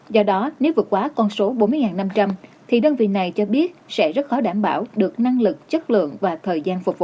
do đó nếu vượt quá con số bốn mươi năm trăm linh thì đơn vị này cho biết sẽ rất khó đảm bảo được năng lực chất lượng và thời gian phục vụ